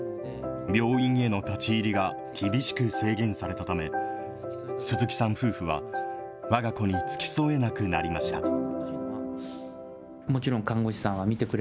病院への立ち入りが厳しく制限されたため、鈴木さん夫婦は、わが子に付き添えなくなりました。